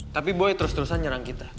tapi boy terus terusan nyerang kita